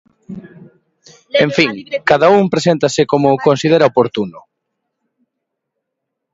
En fin, cada un preséntase como considera oportuno.